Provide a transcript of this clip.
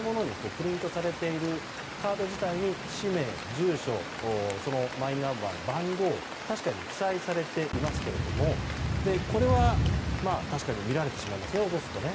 プリントされているカード自体に氏名・住所、マイナンバーの番号確かに記載されていますけれどもこれは、確かに落とすと見られてしまいますよね。